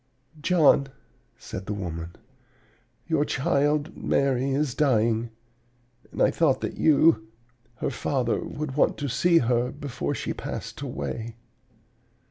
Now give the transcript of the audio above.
"'John,' said the woman, 'your child Mary is dying; and I thought that you, her father, would want to see her before she passed away.'